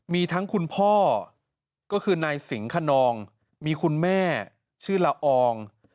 มีทั้งคุณพ่อก็คือนายสิงขนองมีคุณแม่ชื่อละออง